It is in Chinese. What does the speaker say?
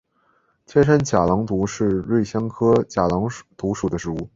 天山假狼毒是瑞香科假狼毒属的植物。